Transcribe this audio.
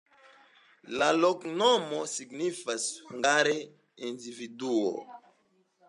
La loknomo signifas hungare: individuo.